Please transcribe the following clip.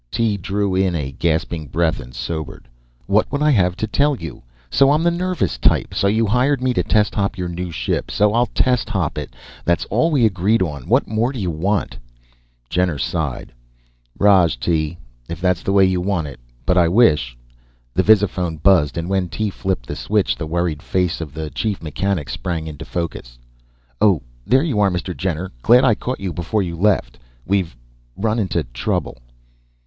Tee drew in a gasping breath and sobered. "What would I have to tell you? So I'm the nervous type. So you hired me to test hop your new ship. So I'll test hop it. That's all we agreed on. What more do you want?" Jenner sighed. "Roj, Tee, if that's the way you want it, but I wish " The visiphone buzzed, and when Tee flipped the switch, the worried face of the chief mechanic sprang into focus. "Oh, there you are, Mr. Jenner. Glad I caught you before you left. We've run into trouble."